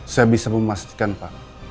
saya bisa memastikan pak